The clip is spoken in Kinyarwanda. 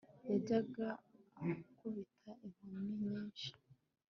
yajyaga ankubita inkoni nyinshi